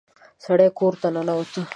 سړی کور ته ننوت.